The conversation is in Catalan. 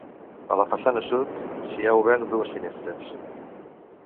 A la façana sud s'hi ha obert dues finestres.